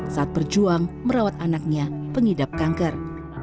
saat berjuang merawat anaknya pengidap kanker